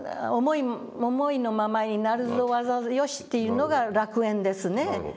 「思いのままになるわざぞよし」というのが楽園ですね。